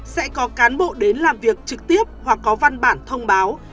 sẽ có cán bộ đến làm việc trực tiếp hoặc có văn bản thông báo